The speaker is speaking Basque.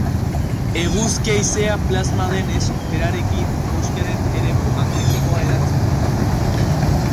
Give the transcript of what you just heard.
Eguzki haizea plasma denez, berarekin, eguzkiaren eremu magnetikoa hedatzen du.